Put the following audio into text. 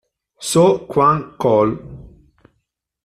So Kwang-chol